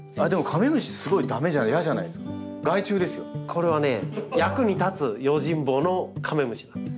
これはね役に立つ用心棒のカメムシなんです。